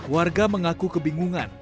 warga mengaku kebingungan